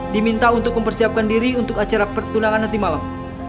diminta untuk mempersiapkan diri untuk acara pertunangan nanti malam